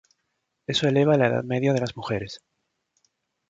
Eso eleva la edad media de las mujeres.